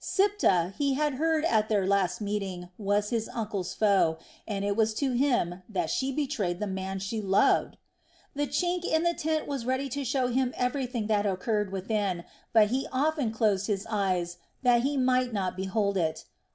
Siptah, he had heard at their last meeting, was his uncle's foe, and it was to him that she betrayed the man she loved! The chink in the tent was ready to show him everything that occurred within, but he often closed his eyes that he might not behold it.